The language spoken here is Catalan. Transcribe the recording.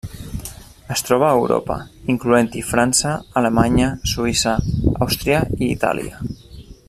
Es troba a Europa, incloent-hi França, Alemanya, Suïssa, Àustria i Itàlia.